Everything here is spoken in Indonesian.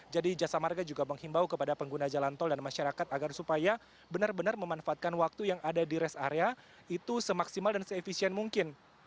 jadi jasa marga juga menghimbau kepada pengguna jalan tol dan masyarakat agar supaya benar benar memanfaatkan waktu yang ada di rest area itu semaksimal dan se efisien mungkin